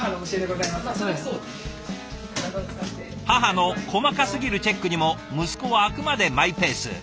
母の細かすぎるチェックにも息子はあくまでマイペース。